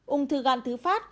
ung thư gan thứ phát